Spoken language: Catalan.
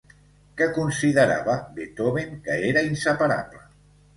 Què considerava Beethoven que era inseparable?